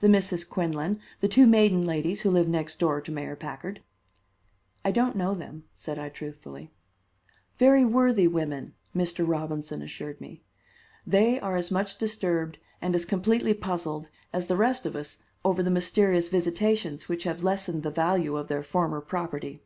"The Misses Quinlan, the two maiden ladies who live next door to Mayor Packard." "I don't know them," said I truthfully. "Very worthy women," Mr. Robinson assured me. "They are as much disturbed and as completely puzzled as the rest of us over the mysterious visitations which have lessened the value of their former property.